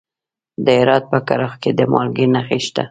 د هرات په کرخ کې د مالګې نښې شته.